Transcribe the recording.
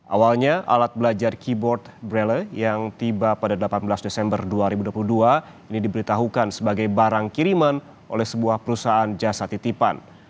awalnya alat belajar keyboard braille yang tiba pada delapan belas desember dua ribu dua puluh dua ini diberitahukan sebagai barang kiriman oleh sebuah perusahaan jasa titipan